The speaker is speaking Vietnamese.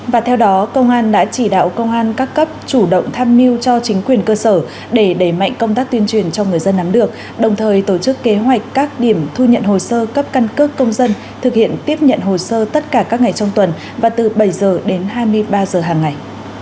và theo đó công an đã chỉ đạo công an các cấp chủ động tham mưu cho chính quyền cơ sở để đẩy mạnh công tác tuyên truyền cho người dân nắm được đồng thời tổ chức kế hoạch các điểm thu nhận hồ sơ cấp căn cước công dân thực hiện tiếp nhận hồ sơ tất cả các ngày trong tuần và từ bảy h đến hai mươi ba h hàng ngày